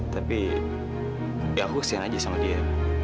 tapi ya aku kesian aja sama dia